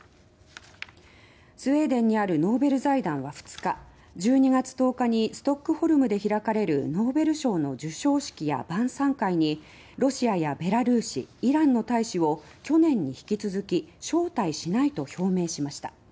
スウェーデンにあるノーベル財団は２日１２月１０日にストックホルムで開かれるノーベル賞の授賞式や晩さん会にロシアやベラルーシ、イランの大使を去年に引き続き招待しないと表明しました。